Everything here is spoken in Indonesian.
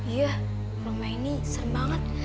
iya rumah ini ser banget